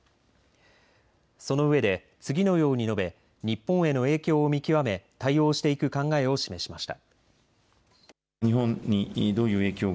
そのうえで次のように述べ日本への影響を見極め対応していく考えを示しました。